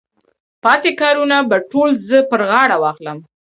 پاتې کارونه به ټول زه پر غاړه واخلم.